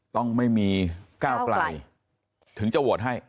ต้องไม่มีก้าวไกลถึงจะโหวตให้